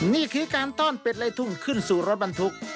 นี่คือการต้อนเป็ดไล่ทุ่งขึ้นสู่รถบรรทุก